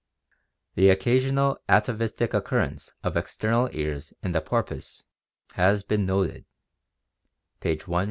The occasional atavistic occurrence of external ears in the porpoise has been noted (page 148).